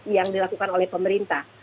yang dilakukan oleh pemerintah